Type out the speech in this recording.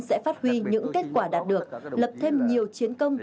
sẽ phát huy những kết quả đạt được lập thêm nhiều chiến công